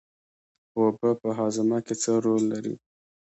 اوبه په هاضمه کې څه رول لري